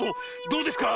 どうですか？